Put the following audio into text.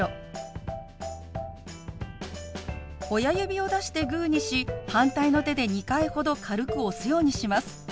親指を出してグーにし反対の手で２回ほど軽く押すようにします。